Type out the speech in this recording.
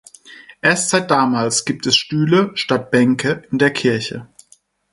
Erst seit damals gibt es Stühle statt Bänke in der Kirche.